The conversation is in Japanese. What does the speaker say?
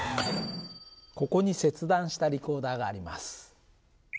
ここに切断したリコーダーがあります。